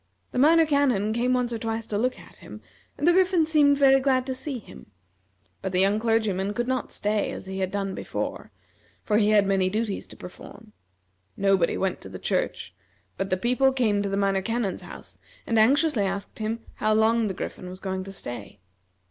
The Minor Canon came once or twice to look at him, and the Griffin seemed very glad to see him; but the young clergyman could not stay as he had done before, for he had many duties to perform. Nobody went to the church, but the people came to the Minor Canon's house, and anxiously asked him how long the Griffin was going to stay.